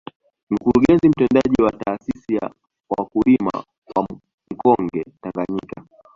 Mkurugenzi Mtendaji wa taasisi ya wakulima wa mkonge Tanganyika